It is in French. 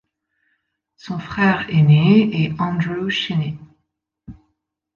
Son frère aîné est Andrew Shinnie.